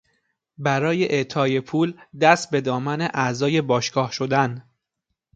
برای اعطای پول دست به دامن اعضای باشگاه شدن